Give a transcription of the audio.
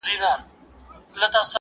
په دې نظر کې ټول تمرکز پر زړه و.